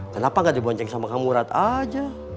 kenapa gak dibonceng sama kang murad aja